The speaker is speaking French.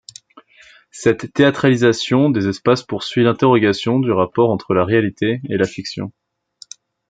Cette théâtralisation des espaces poursuit l'interrogation du rapport entre la réalité et la fiction.